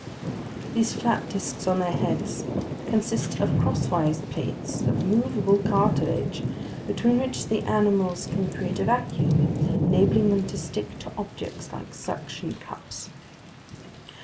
These flat disks on their heads consist of crosswise plates of movable cartilage, between which the animals can create a vacuum, enabling them to stick to objects like suction cups.